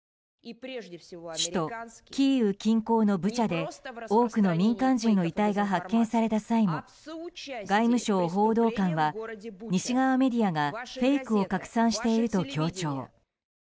首都キーウ近郊のブチャで多くの民間人の遺体が発見された際も外務省報道官は西側メディアがフェイクを拡散していると強調。